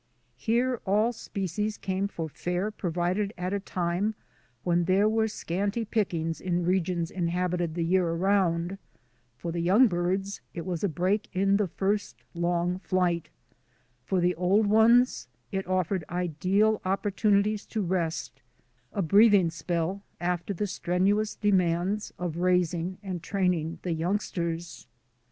Here all species came for fare provided at a time when there were scanty pickings in regions inhabited the year round; for the young birds it was a break in the first long flight; for the old ones it offered ideal oppor tunities to rest — a breathing spell after the strenu ous demands of raising and training the young sters.